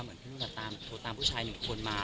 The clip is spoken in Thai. เหมือนพี่นุ้นมาโทรตามผู้ชายหนึ่งคนมา